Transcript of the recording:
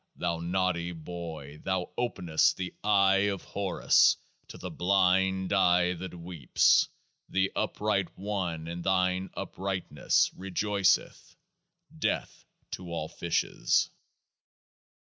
30 Thou Naughty Boy, thou openest THE EYE OF HORUS to the Blind Eye that weeps ! 31 The Upright One in thine Uprightness re joiceth — Death to all Fishes